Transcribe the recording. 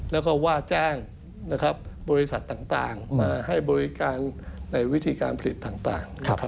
แล้วก็ว่าแจ้งบริษัทต่างมาให้บริการในวิธีการผลิตต่าง